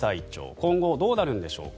今後どうなるんでしょうか。